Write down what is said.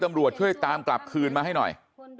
ตำรวจช่วยตามกลับคืนมาให้หน่อย